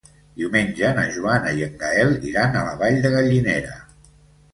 Diumenge na Joana i en Gaël iran a la Vall de Gallinera.